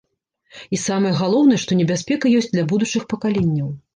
І самае галоўнае, што небяспека ёсць для будучых пакаленняў.